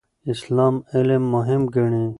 اسلام علم مهم ګڼي.